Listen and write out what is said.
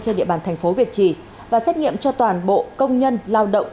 trên địa bàn thành phố việt trì và xét nghiệm cho toàn bộ công nhân lao động